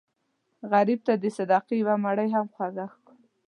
غریب ته د صدقې یو مړۍ هم خوږ ښکاري